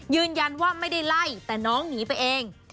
ยืนยันว่าไม่ได้ไล่แต่น้องหนีไปเอง